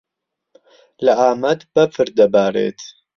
لە ئامەد بەفر دەبارێت.